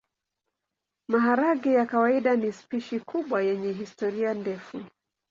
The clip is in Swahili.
Maharagwe ya kawaida ni spishi kubwa yenye historia ndefu.